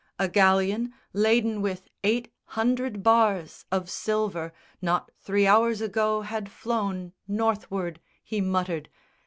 A galleon laden with eight hundred bars Of silver, not three hours ago had flown Northward, he muttered.